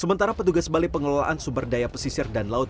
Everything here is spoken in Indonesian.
sementara petugas balai pengelolaan sumber daya pesisir dan laut